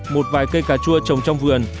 một vài cây cà chua trồng trong vườn